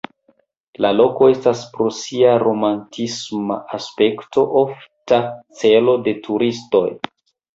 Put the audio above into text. La loko estas pro sia romantisma aspekto ofta celo de turistoj.